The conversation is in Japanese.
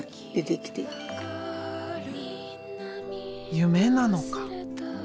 夢なのか？